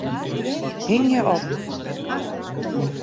Hingje op.